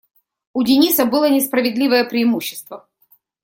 У Дениса было несправедливое преимущество.